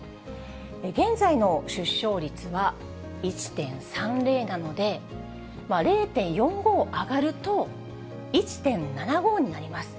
現在の出生率は１．３０なので、０．４５上がると、１．７５になります。